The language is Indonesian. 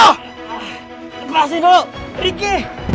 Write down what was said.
lepasin lu rike